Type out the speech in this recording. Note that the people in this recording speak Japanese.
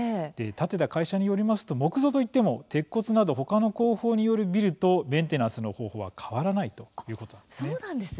建てた会社によりますと木造といっても鉄骨など他の工法によるビルとメンテナンスの方法は変わらないということなんですね。